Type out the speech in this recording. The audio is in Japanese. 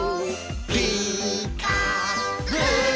「ピーカーブ！」